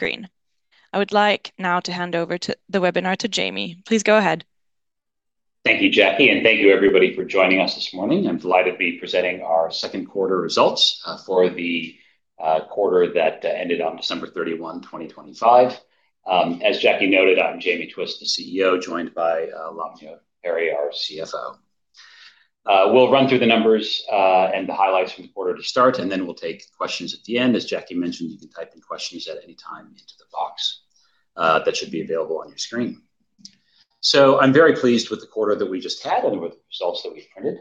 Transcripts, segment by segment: Great. I would like now to hand over the webinar to Jamie. Please go ahead. Thank you, Jackie, and thank you everybody for joining us this morning. I'm delighted to be presenting our second quarter results for the quarter that ended on December 31, 2025. As Jackie noted, I'm Jamie Twiss, the CEO, joined by Lavanya Pariyar, our CFO. We'll run through the numbers and the highlights from the quarter to start, and then we'll take questions at the end. As Jackie mentioned, you can type in questions at any time into the box that should be available on your screen. So I'm very pleased with the quarter that we just had and with the results that we've printed.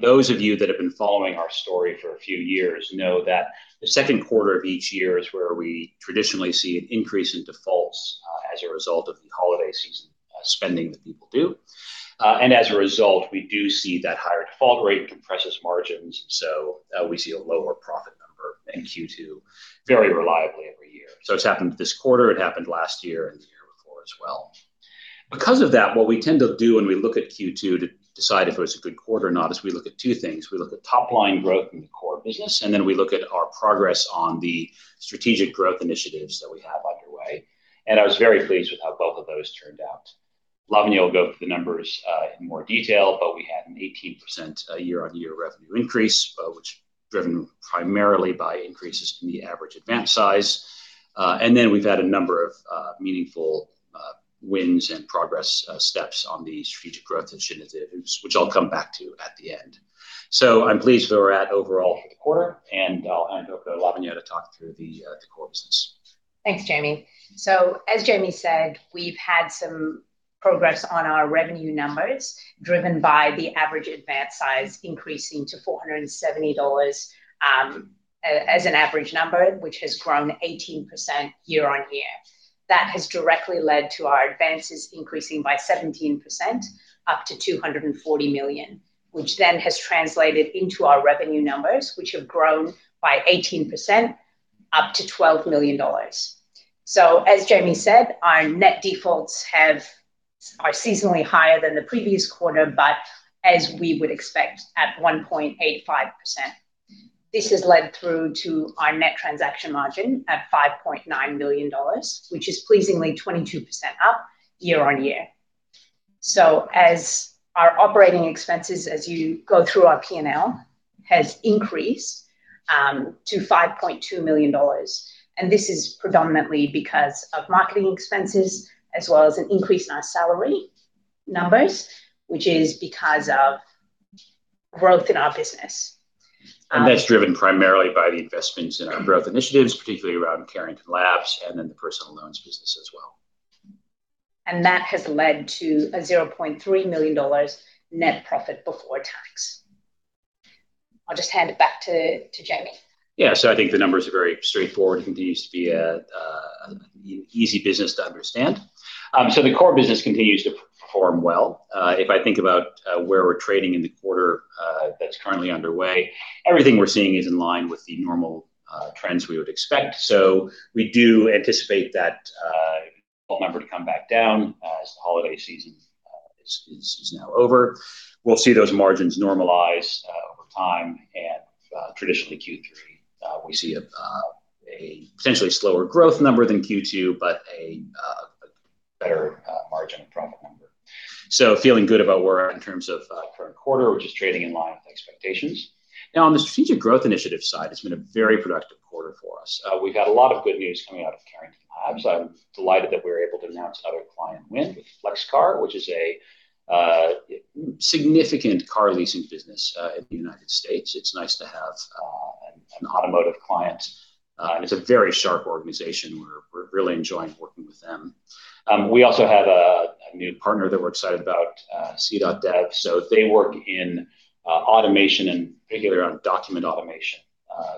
Those of you that have been following our story for a few years know that the second quarter of each year is where we traditionally see an increase in defaults, as a result of the holiday season spending that people do. And as a result, we do see that higher default rate compresses margins, so we see a lower profit number in Q2 very reliably every year. So it's happened this quarter, it happened last year and the year before as well. Because of that, what we tend to do when we look at Q2 to decide if it was a good quarter or not, is we look at two things. We look at top-line growth in the core business, and then we look at our progress on the strategic growth initiatives that we have underway. I was very pleased with how both of those turned out. Lavanya will go through the numbers, in more detail, but we had an 18%, year-on-year revenue increase, which driven primarily by increases in the average advance size. And then we've had a number of, meaningful, wins and progress, steps on the strategic growth initiatives, which I'll come back to at the end. So I'm pleased where we're at overall for the quarter, and I'll hand over to Lavanya to talk through the core business. Thanks, Jamie. So as Jamie said, we've had some progress on our revenue numbers, driven by the average advance size increasing to 470 dollars, as an average number, which has grown 18% year-on-year. That has directly led to our advances increasing by 17%, up to 240 million, which then has translated into our revenue numbers, which have grown by 18%, up to 12 million dollars. So as Jamie said, our net defaults are seasonally higher than the previous quarter, but as we would expect, at 1.85%. This has led through to our net transaction margin at 5.9 million dollars, which is pleasingly 22% up year-on-year. So as our operating expenses, as you go through our P&L, has increased to 5.2 million dollars, and this is predominantly because of marketing expenses, as well as an increase in our salary numbers, which is because of growth in our business, That's driven primarily by the investments in our growth initiatives, particularly around Carrington Labs and then the personal loans business as well. That has led to 0.3 million dollars net profit before tax. I'll just hand it back to Jamie. Yeah, so I think the numbers are very straightforward. It continues to be an easy business to understand. So the core business continues to perform well. If I think about where we're trading in the quarter that's currently underway, everything we're seeing is in line with the normal trends we would expect. So we do anticipate that number to come back down as the holiday season is now over. We'll see those margins normalize over time, and traditionally, Q3 we see a potentially slower growth number than Q2, but a better margin and profit number. So feeling good about where we are in terms of current quarter, which is trading in line with expectations. Now, on the strategic growth initiative side, it's been a very productive quarter for us. We've had a lot of good news coming out of Carrington Labs. I'm delighted that we were able to announce another client win with Flexcar, which is a significant car leasing business in the United States. It's nice to have an automotive client, and it's a very sharp organization. We're really enjoying working with them. We also have a new partner that we're excited about, Sea.dev. So they work in automation and particularly around document automation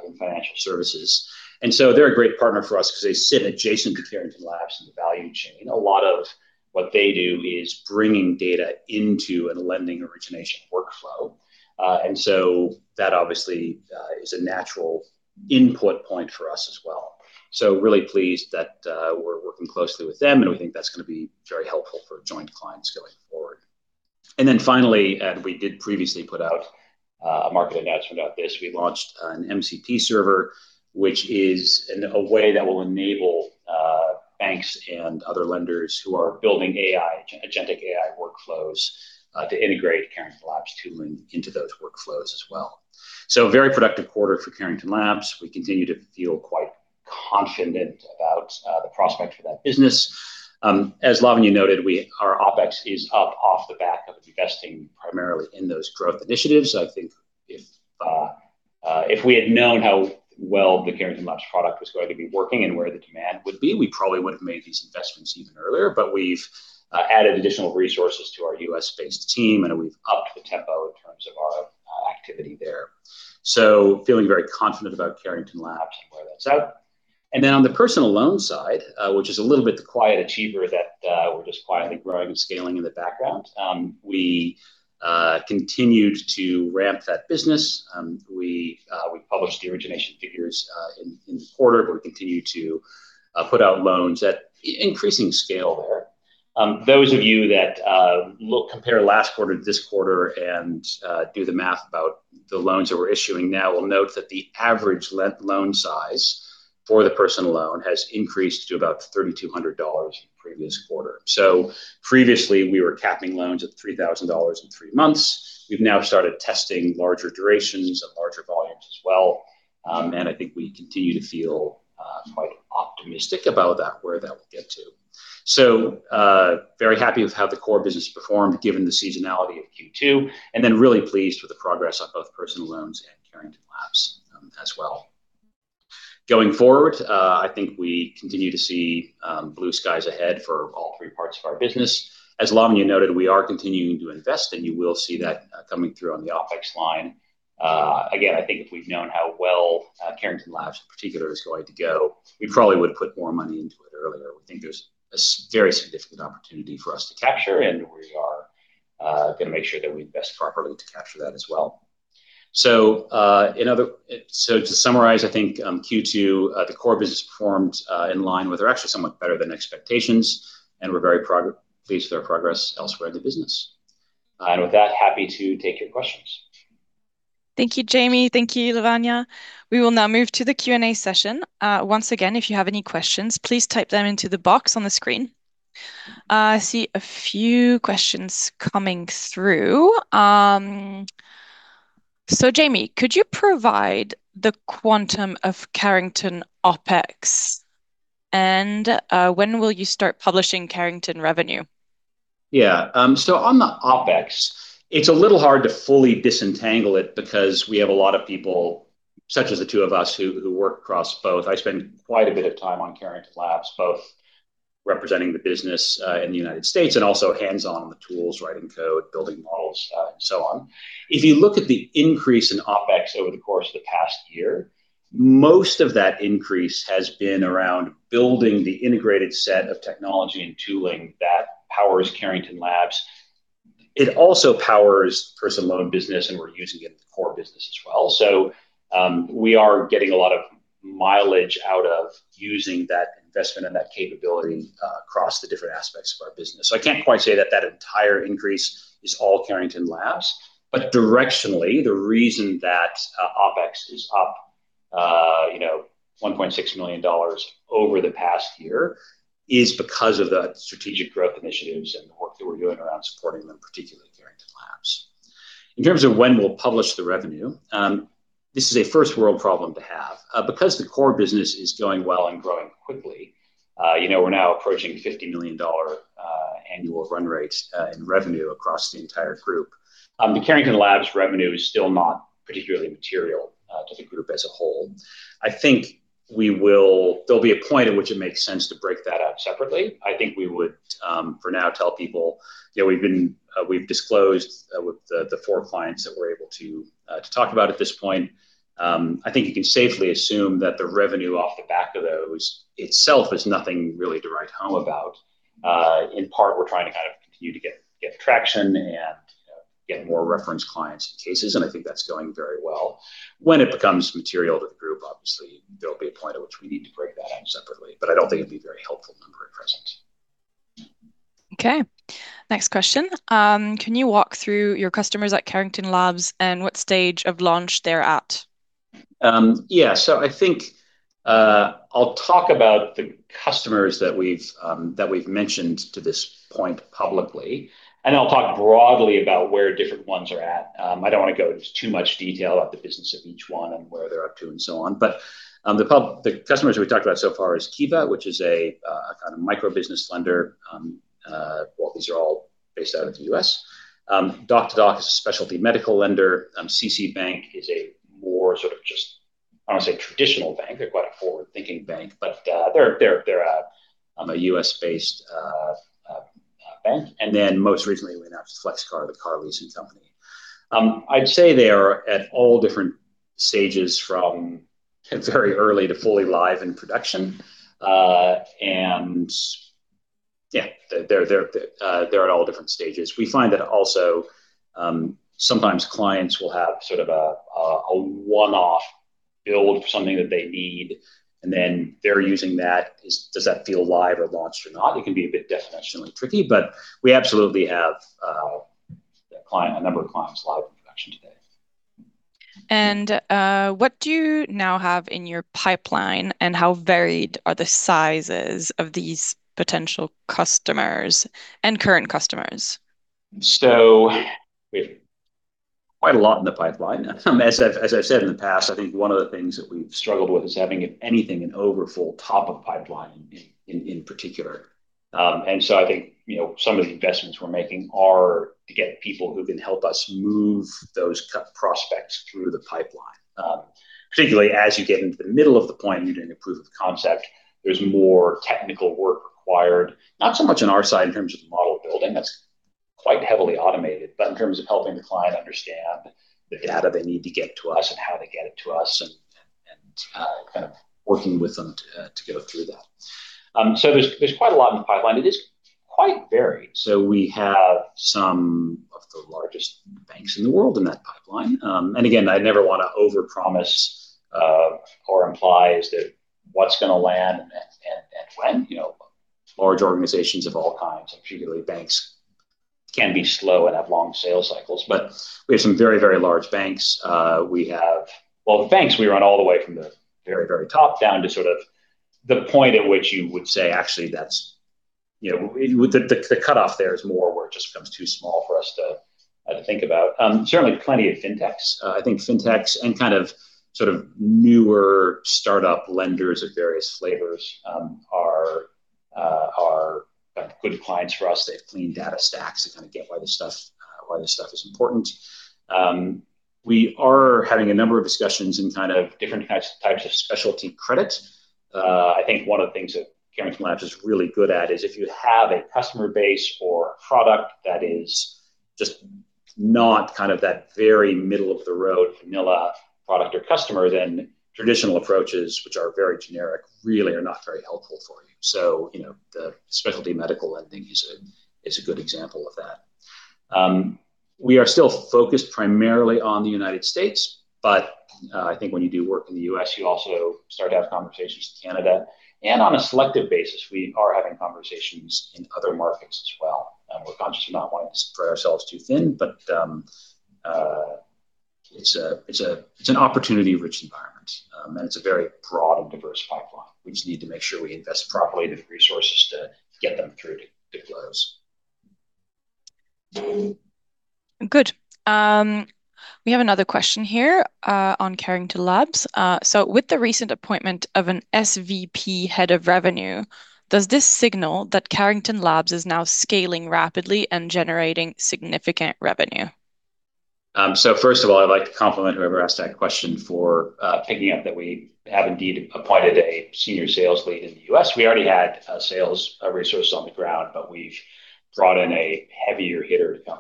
in financial services. And so they're a great partner for us because they sit adjacent to Carrington Labs and the value chain. A lot of what they do is bringing data into a lending origination workflow, and so that obviously is a natural input point for us as well. So really pleased that we're working closely with them, and we think that's gonna be very helpful for joint clients going forward. And then finally, and we did previously put out a market announcement about this, we launched an MCP Server, which is a way that will enable banks and other lenders who are building AI agentic AI workflows to integrate Carrington Labs tooling into those workflows as well. So a very productive quarter for Carrington Labs. We continue to feel quite confident about the prospect for that business. As Lavanya noted, our OpEx is up off the back of investing primarily in those growth initiatives. I think if we had known how well the Carrington Labs product was going to be working and where the demand would be, we probably would have made these investments even earlier. But we've added additional resources to our U.S.-based team, and we've upped the tempo in terms of our activity there. So, feeling very confident about Carrington Labs and where that's at. And then on the personal loan side, which is a little bit the quiet achiever that we're just quietly growing and scaling in the background, we continued to ramp that business. We published the origination figures in the quarter. We'll continue to put out loans at increasing scale there. Those of you that look, compare last quarter to this quarter and do the math about the loans that we're issuing now will note that the average loan size for the personal loan has increased to about 3,200 dollars from the previous quarter. Previously, we were capping loans at 3,000 dollars in 3 months. We've now started testing larger durations and larger volumes as well. I think we continue to feel quite optimistic about that, where that will get to. Very happy with how the core business performed, given the seasonality of Q2, and then really pleased with the progress on both personal loans and Carrington Labs, as well. Going forward, I think we continue to see blue skies ahead for all 3 parts of our business. As Lavanya noted, we are continuing to invest, and you will see that coming through on the OpEx line. Again, I think if we've known how well Carrington Labs in particular is going to go, we probably would have put more money into it earlier. We think there's a very significant opportunity for us to capture, and we are going to make sure that we invest properly to capture that as well. So, to summarize, I think Q2, the core business performed in line with or actually somewhat better than expectations, and we're very pleased with our progress elsewhere in the business. With that, happy to take your questions. Thank you, Jamie. Thank you, Lavanya. We will now move to the Q&A session. Once again, if you have any questions, please type them into the box on the screen. I see a few questions coming through. So Jamie, could you provide the quantum of Carrington OpEx, and when will you start publishing Carrington revenue? Yeah. So on the OpEx, it's a little hard to fully disentangle it because we have a lot of people, such as the two of us, who work across both. I spend quite a bit of time on Carrington Labs, both representing the business in the United States and also hands-on with the tools, writing code, building models, and so on. If you look at the increase in OpEx over the course of the past year, most of that increase has been around building the integrated set of technology and tooling that powers Carrington Labs. It also powers personal loan business, and we're using it in the core business as well. So, we are getting a lot of mileage out of using that investment and that capability across the different aspects of our business. So I can't quite say that that entire increase is all Carrington Labs, but directionally, the reason that, OpEx is up, you know, 1.6 million dollars over the past year, is because of the strategic growth initiatives and the work that we're doing around supporting them, particularly Carrington Labs. In terms of when we'll publish the revenue, this is a first-world problem to have. Because the core business is going well and growing quickly, you know, we're now approaching 50 million dollar annual run rates, in revenue across the entire group. The Carrington Labs revenue is still not particularly material, to the group as a whole. I think there'll be a point at which it makes sense to break that out separately. I think we would, for now, tell people, you know, we've been, we've disclosed with the four clients that we're able to talk about at this point. I think you can safely assume that the revenue off the back of those itself is nothing really to write home about. In part, we're trying to kind of continue to get traction and get more reference clients and cases, and I think that's going very well. When it becomes material to the group, obviously, there'll be a point at which we need to break that out separately, but I don't think it'll be a very helpful number at present. Okay, next question. Can you walk through your customers at Carrington Labs and what stage of launch they're at? Yeah. So I think I'll talk about the customers that we've mentioned to this point publicly, and I'll talk broadly about where different ones are at. I don't want to go into too much detail about the business of each one and where they're up to and so on. But the customers we've talked about so far is Kiva, which is a kind of micro-business lender. Well, these are all based out of the U.S. Doc2Doc is a specialty medical lender. CCBank is a more sort of just, I want to say, traditional bank. They're quite a forward-thinking bank, but they're a U.S.-based bank. And then most recently, we announced Flexcar, the car leasing company. I'd say they are at all different stages, from very early to fully live in production. And yeah, they're at all different stages. We find that also, sometimes clients will have sort of a one-off build for something that they need, and then they're using that. Does that feel live or launched or not? It can be a bit definitionally tricky, but we absolutely have a number of clients live in production today. What do you now have in your pipeline, and how varied are the sizes of these potential customers and current customers? So we have quite a lot in the pipeline. As I've said in the past, I think one of the things that we've struggled with is having, if anything, an overfull top of pipeline in particular. And so I think, you know, some of the investments we're making are to get people who can help us move those prospects through the pipeline. Particularly as you get into the middle of the point, you're doing a proof of concept, there's more technical work required, not so much on our side in terms of the model building, that's quite heavily automated, but in terms of helping the client understand the data they need to get to us and how they get it to us, and kind of working with them to go through that. So there's quite a lot in the pipeline. It is quite varied. So we have some the largest banks in the world in that pipeline. And again, I'd never want to overpromise or imply as to what's going to land and when, you know. Large organizations of all kinds, and particularly banks, can be slow and have long sales cycles. But we have some very, very large banks. Well, the banks, we run all the way from the very, very top down to sort of the point at which you would say, actually, that's, you know, the cutoff there is more where it just becomes too small for us to think about. Certainly plenty of fintechs. I think fintechs and kind of, sort of newer startup lenders of various flavors are good clients for us. They have clean data stacks, they kind of get why this stuff, why this stuff is important. We are having a number of discussions in kind of different types, types of specialty credits. I think one of the things that Carrington Labs is really good at is if you have a customer base or a product that is just not kind of that very middle-of-the-road vanilla product or customer, then traditional approaches, which are very generic, really are not very helpful for you. So, you know, the specialty medical, I think, is a good example of that. We are still focused primarily on the United States, but I think when you do work in the U.S., you also start to have conversations in Canada. On a selective basis, we are having conversations in other markets as well, and we're conscious of not wanting to spread ourselves too thin, but it's an opportunity-rich environment, and it's a very broad and diverse pipeline. We just need to make sure we invest appropriately the resources to get them through to close. Good. We have another question here on Carrington Labs. "So with the recent appointment of an SVP Head of Revenue, does this signal that Carrington Labs is now scaling rapidly and generating significant revenue? So first of all, I'd like to compliment whoever asked that question for picking up that we have indeed appointed a senior sales lead in the U.S. We already had sales resources on the ground, but we've brought in a heavier hitter to come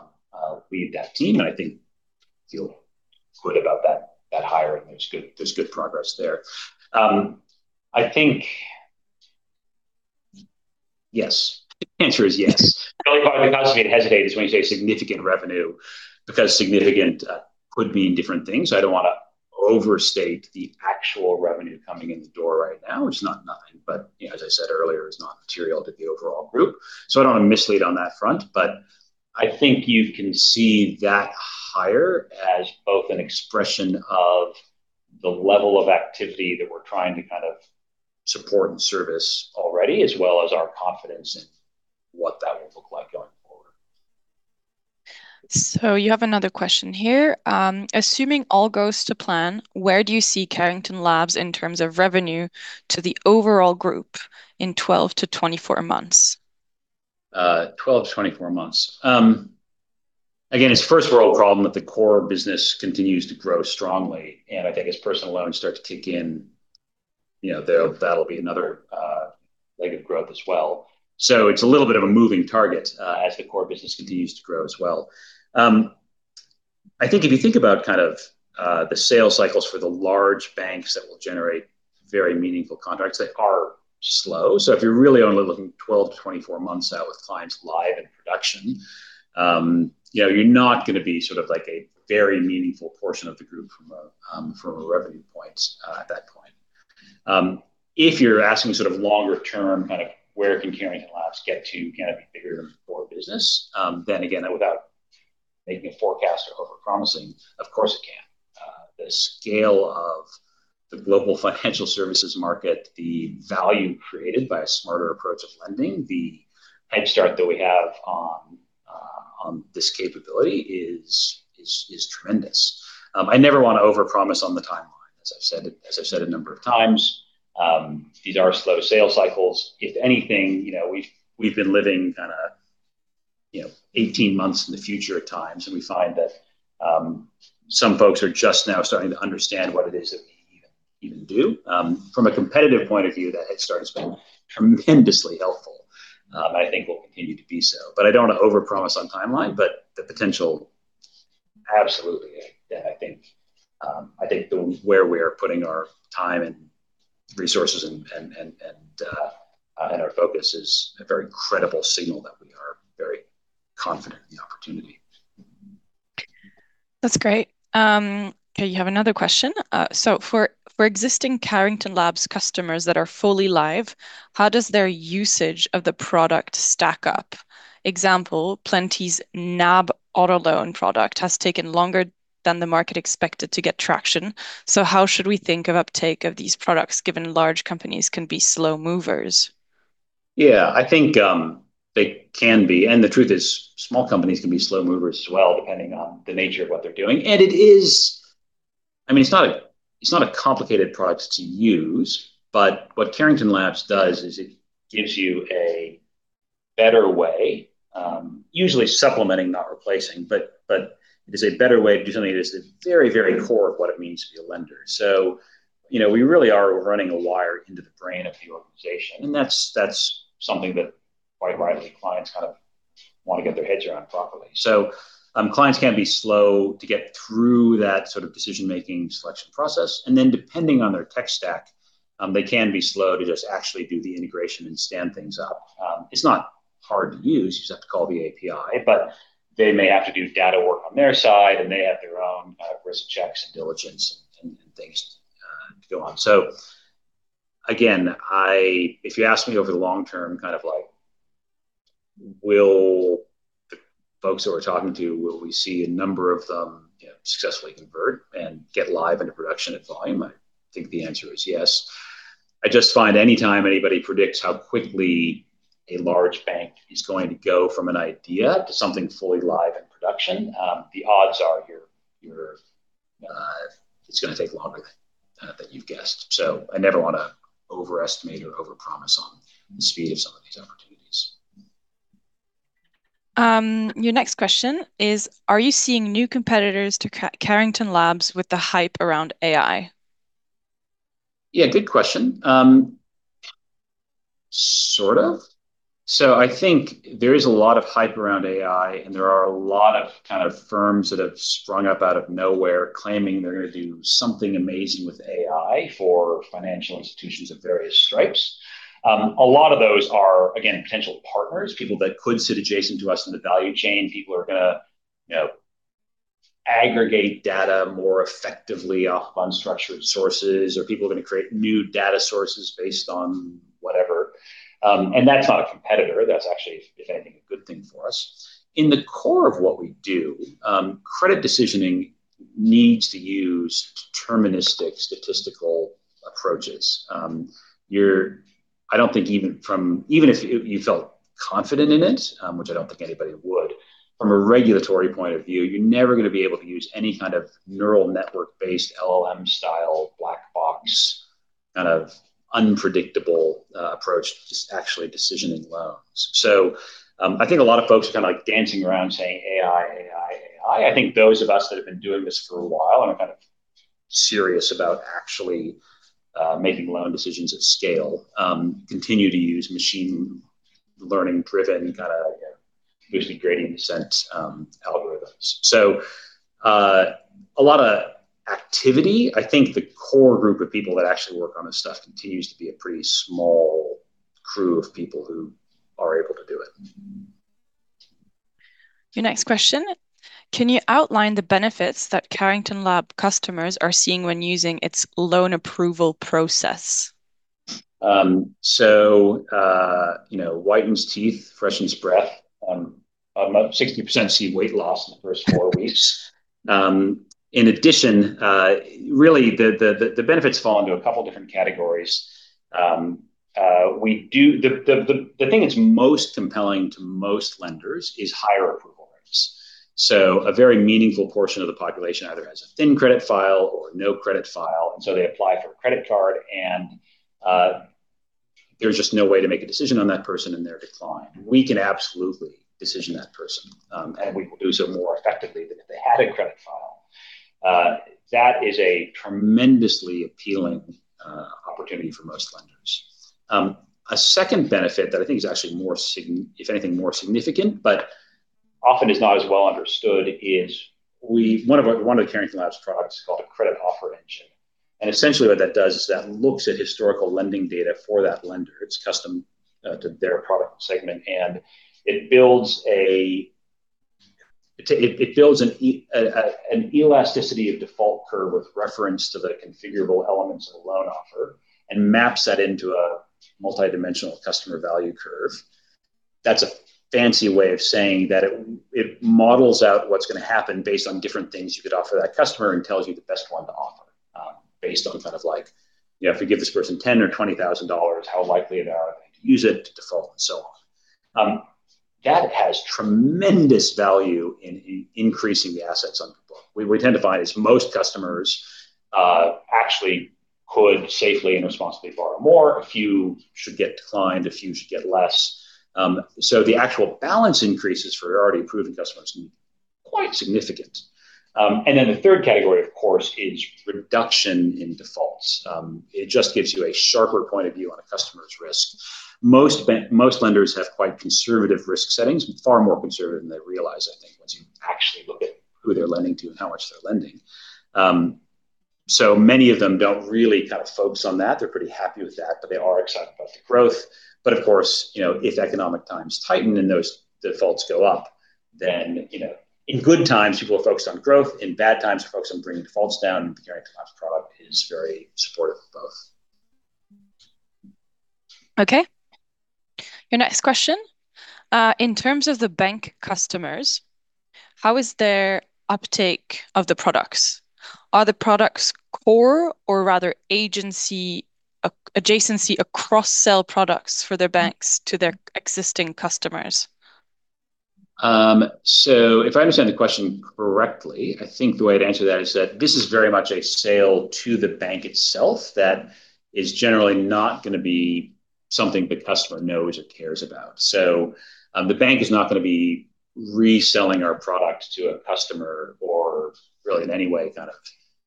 lead that team, and I think feel good about that, that hiring. There's good, there's good progress there. I think... Yes, the answer is yes. The only part that causes me to hesitate is when you say significant revenue, because significant could mean different things. I don't want to overstate the actual revenue coming in the door right now. It's not nothing, but, you know, as I said earlier, it's not material to the overall group. So I don't want to mislead on that front, but I think you can see that hire as both an expression of the level of activity that we're trying to kind of support and service already, as well as our confidence in what that will look like going forward. So you have another question here. "Assuming all goes to plan, where do you see Carrington Labs in terms of revenue to the overall group in 12-24 months? 12-24 months. Again, it's first world problem that the core business continues to grow strongly, and I think as personal loans start to kick in, you know, that'll, that'll be another leg of growth as well. So it's a little bit of a moving target, as the core business continues to grow as well. I think if you think about kind of, the sales cycles for the large banks that will generate very meaningful contracts, they are slow. So if you're really only looking 12-24 months out with clients live in production, you know, you're not going to be sort of, like, a very meaningful portion of the group from a, from a revenue point, at that point. If you're asking sort of longer term, kind of, where can Carrington Labs get to kind of a bigger, core business, then again, without making a forecast or overpromising, of course, it can. The scale of the global financial services market, the value created by a smarter approach of lending, the head start that we have on, on this capability is tremendous. I never want to overpromise on the timeline. As I've said, as I've said a number of times, these are slow sales cycles. If anything, you know, we've been living kind of, you know, 18 months in the future at times, and we find that, some folks are just now starting to understand what it is that we even do. From a competitive point of view, that head start has been tremendously helpful, and I think will continue to be so. But I don't want to overpromise on timeline, but the potential, absolutely, yeah, I think, I think the where we are putting our time and resources and our focus is a very credible signal that we are very confident in the opportunity. That's great. Okay, you have another question: "So for existing Carrington Labs customers that are fully live, how does their usage of the product stack up? Example, Plenti's NAB auto loan product has taken longer than the market expected to get traction. So how should we think of uptake of these products, given large companies can be slow movers? Yeah, I think, they can be. And the truth is, small companies can be slow movers as well, depending on the nature of what they're doing. And it is... I mean, it's not a, it's not a complicated product to use, but what Carrington Labs does is it gives you a better way, usually supplementing, not replacing, but, but it is a better way to do something that is at the very, very core of what it means to be a lender. So, you know, we really are running a wire into the brain of the organization, and that's, that's something that, quite rightly, clients kind of want to get their heads around properly. So, clients can be slow to get through that sort of decision-making selection process, and then, depending on their tech stack... They can be slow to just actually do the integration and stand things up. It's not hard to use, you just have to call the API, but they may have to do data work on their side, and they have their own risk checks and diligence and things to go on. So again, if you ask me over the long term, kind of like, will the folks that we're talking to, will we see a number of them, you know, successfully convert and get live into production at volume? I think the answer is yes. I just find anytime anybody predicts how quickly a large bank is going to go from an idea to something fully live in production, the odds are you're, it's gonna take longer than you've guessed. I never wanna overestimate or overpromise on the speed of some of these opportunities. Your next question is: Are you seeing new competitors to Carrington Labs with the hype around AI? Yeah, good question. Sort of. So I think there is a lot of hype around AI, and there are a lot of kind of firms that have sprung up out of nowhere, claiming they're gonna do something amazing with AI for financial institutions of various stripes. A lot of those are, again, potential partners, people that could sit adjacent to us in the value chain. People are gonna, you know, aggregate data more effectively off unstructured sources, or people are gonna create new data sources based on whatever. And that's not a competitor, that's actually, if anything, a good thing for us. In the core of what we do, credit decisioning needs to use deterministic statistical approaches. You're... I don't think even if you felt confident in it, which I don't think anybody would, from a regulatory point of view, you're never gonna be able to use any kind of neural network-based LLM style, black box, kind of unpredictable, approach, just actually decisioning loans. So, I think a lot of folks are kind of like dancing around saying, "AI, AI, AI." I think those of us that have been doing this for a while and are kind of serious about actually, making loan decisions at scale, continue to use machine learning-driven, kinda, usually gradient descent, algorithms. So, a lot of activity, I think the core group of people that actually work on this stuff continues to be a pretty small crew of people who are able to do it. Your next question: Can you outline the benefits that Carrington Labs customers are seeing when using its loan approval process? So, you know, whitens teeth, freshens breath, about 60% see weight loss in the first four weeks. In addition, really, the benefits fall into a couple different categories. The thing that's most compelling to most lenders is higher approval rates. So a very meaningful portion of the population either has a thin credit file or no credit file, and so they apply for a credit card, and there's just no way to make a decision on that person, and they're declined. We can absolutely decision that person, and we will do so more effectively than if they had a credit file. That is a tremendously appealing opportunity for most lenders. A second benefit that I think is actually more significant, if anything, but often is not as well understood, is one of the Carrington Labs products is called a credit offer engine, and essentially what that does is that looks at historical lending data for that lender. It's custom to their product segment, and it builds an elasticity of default curve with reference to the configurable elements of a loan offer and maps that into a multidimensional customer value curve. That's a fancy way of saying that it models out what's gonna happen based on different things you could offer that customer and tells you the best one to offer, based on kind of like, you know, if you give this person $10 or $20,000, how likely are they to use it, to default, and so on. That has tremendous value in increasing the assets on the book. We would identify as most customers actually could safely and responsibly borrow more. A few should get declined, a few should get less. So the actual balance increases for already approved customers are quite significant. And then the third category, of course, is reduction in defaults. It just gives you a sharper point of view on a customer's risk. Most lenders have quite conservative risk settings, far more conservative than they realize, I think, once you actually look at who they're lending to and how much they're lending. So many of them don't really kind of focus on that. They're pretty happy with that, but they are excited about the growth. But of course, you know, if economic times tighten and those defaults go up, then, you know, in good times, people are focused on growth, in bad times, are focused on bringing defaults down. Carrington Labs product is very supportive of both. Okay. Your next question: In terms of the bank customers, how is their uptake of the products? Are the products core or rather agency adjacency cross-sell products for their banks to their existing customers? So if I understand the question correctly, I think the way to answer that is that this is very much a sale to the bank itself. That is generally not gonna be something the customer knows or cares about. So, the bank is not gonna be reselling our product to a customer or really in any way, kind of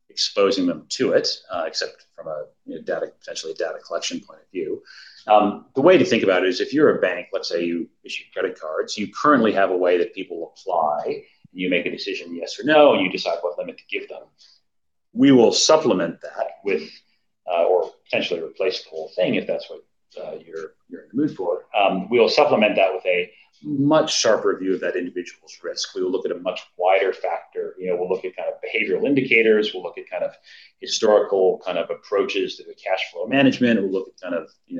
exposing them to it, except from a, you know, data, potentially a data collection point of view. The way to think about it is, if you're a bank, let's say you issue credit cards, you currently have a way that people apply, and you make a decision, yes or no, and you decide what limit to give them. We will supplement that with or potentially replace the whole thing, if that's what, you're in the mood for. We'll supplement that with a much sharper view of that individual's risk. We will look at a much wider factor. You know, we'll look at kind of behavioral indicators, we'll look at kind of historical kind of approaches to the cash flow management. We'll look at kind of, you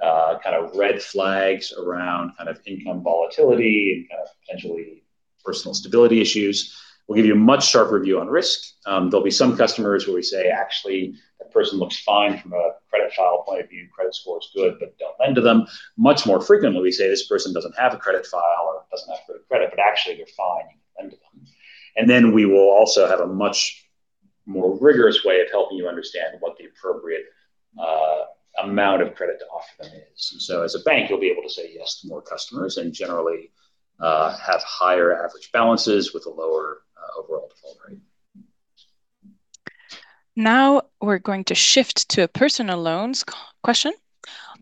know, kind of red flags around kind of income volatility and, kind of, potentially personal stability issues. We'll give you a much sharper view on risk. There'll be some customers where we say, "Actually, that person looks fine from a credit file point of view, credit score is good, but don't lend to them." Much more frequently we say, "This person doesn't have a credit file or doesn't have good credit, but actually they're fine, you can lend to them." And then we will also have a much more rigorous way of helping you understand what the appropriate amount of credit to offer them is. So as a bank, you'll be able to say yes to more customers, and generally, have higher average balances with a lower overall default rate. Now we're going to shift to a Personal Loans question.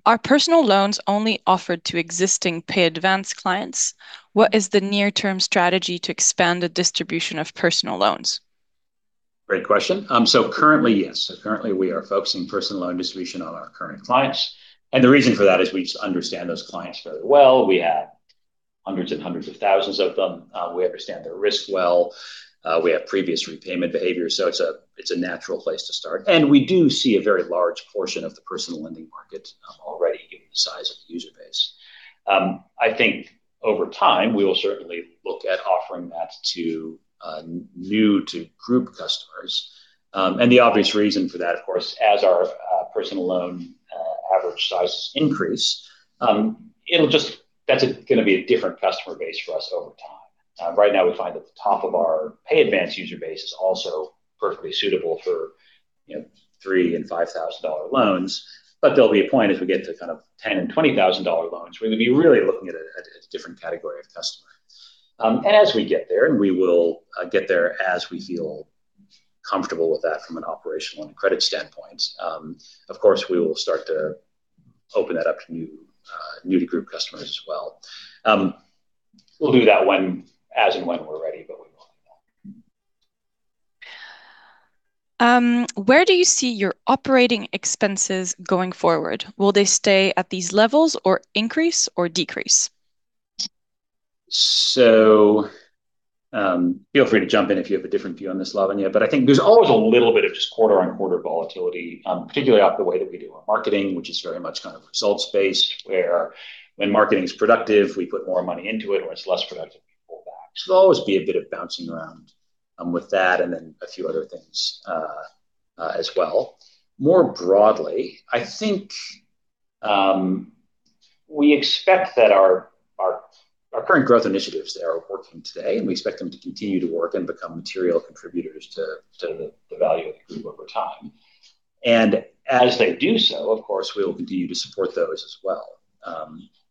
Are Personal Loans only offered to existing Pay Advance clients? What is the near-term strategy to expand the distribution of Personal Loans? Great question. So currently, yes. So currently, we are focusing personal loan distribution on our current clients, and the reason for that is we just understand those clients very well. We have hundreds and hundreds of thousands of them. We understand their risk well. We have previous repayment behavior, so it's a, it's a natural place to start. And we do see a very large portion of the personal lending market, already given the size of the user base. I think over time, we will certainly look at offering that to, new-to-group customers. And the obvious reason for that, of course, as our, personal loan, average sizes increase, it'll just... That's going to be a different customer base for us over time. Right now we find that the top of our Pay Advance user base is also perfectly suitable for, you know, 3,000 and 5,000-dollar loans, but there'll be a point as we get to kind of 10,000 and 20,000-dollar loans, we're going to be really looking at a different category of customer. As we get there, and we will get there as we feel comfortable with that from an operational and a credit standpoint, of course, we will start to open that up to new-to-group customers as well. We'll do that when, as and when we're ready, but we will do that. Where do you see your operating expenses going forward? Will they stay at these levels, or increase, or decrease? So, feel free to jump in if you have a different view on this, Lavanya, but I think there's always a little bit of just quarter-on-quarter volatility, particularly off the way that we do our marketing, which is very much kind of results-based, where when marketing is productive, we put more money into it, or it's less productive, we pull back. So there'll always be a bit of bouncing around, with that, and then a few other things, as well. More broadly, I think we expect that our current growth initiatives that are working today, and we expect them to continue to work and become material contributors to the value of the group over time. And as they do so, of course, we will continue to support those as well.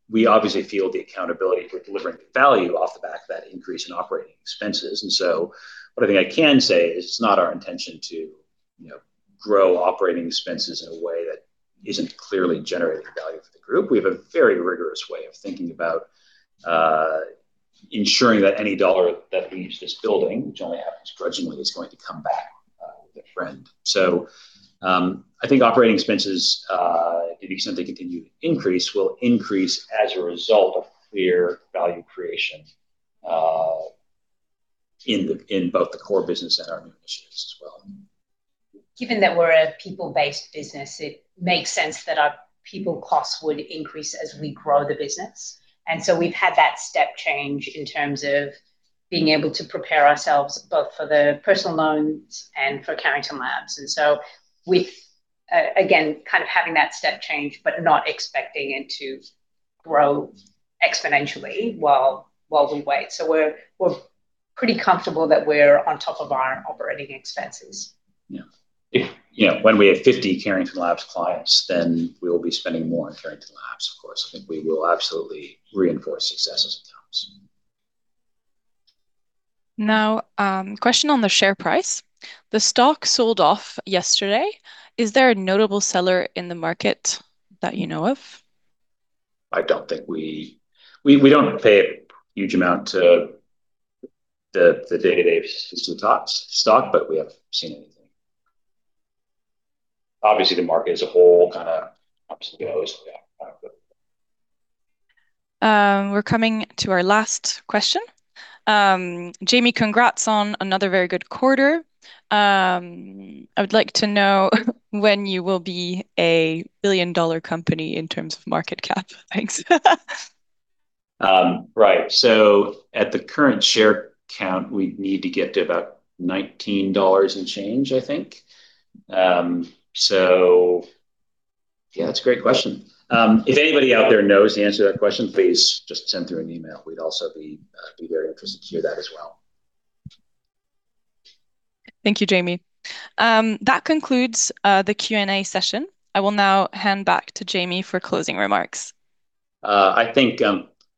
We obviously feel the accountability for delivering the value off the back of that increase in operating expenses. And so what I think I can say is it's not our intention to, you know, grow operating expenses in a way that isn't clearly generating value for the group. We have a very rigorous way of thinking about ensuring that any dollar that leaves this building, which only happens grudgingly, is going to come back with a friend. So, I think operating expenses, to the extent they continue to increase, will increase as a result of clear value creation in the, in both the core business and our new initiatives as well. Given that we're a people-based business, it makes sense that our people costs would increase as we grow the business, and so we've had that step change in terms of being able to prepare ourselves, both for the Personal Loans and for Carrington Labs. And so with, again, kind of having that step change, but not expecting it to grow exponentially while we wait. So we're, we're pretty comfortable that we're on top of our operating expenses. Yeah. If, you know, when we have 50 Carrington Labs clients, then we will be spending more on Carrington Labs, of course. I think we will absolutely reinforce success as it comes. Now, question on the share price. The stock sold off yesterday. Is there a notable seller in the market that you know of? We don't pay a huge amount to the day-to-day systematic stock, but we haven't seen anything. Obviously, the market as a whole kind of up and down. We're coming to our last question. "Jamie, congrats on another very good quarter. I would like to know when you will be a billion-dollar company in terms of market cap. Thanks. Right. So at the current share count, we'd need to get to about 19 dollars and change, I think. So yeah, that's a great question. If anybody out there knows the answer to that question, please just send through an email. We'd also be very interested to hear that as well. Thank you, Jamie. That concludes the Q&A session. I will now hand back to Jamie for closing remarks. I think...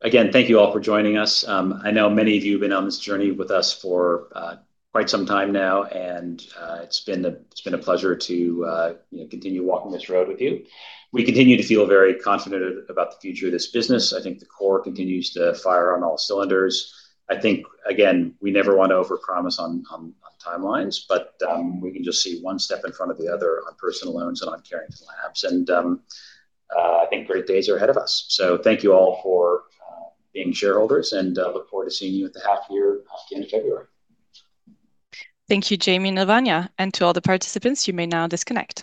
Again, thank you all for joining us. I know many of you have been on this journey with us for quite some time now, and it's been a, it's been a pleasure to, you know, continue walking this road with you. We continue to feel very confident about the future of this business. I think the core continues to fire on all cylinders. I think, again, we never want to overpromise on, on, on timelines, but we can just see one step in front of the other on personal loans and on Carrington Labs, and I think great days are ahead of us. So thank you all for being shareholders, and look forward to seeing you at the half year at the end of February. Thank you, Jamie and Lavanya. To all the participants, you may now disconnect.